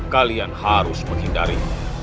kalian harus menghindari